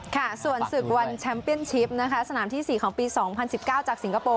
ค่ะส่วนศึกวันแชมป์เปียนชิปนะคะสนามที่๔ของปี๒๐๑๙จากสิงคโปร์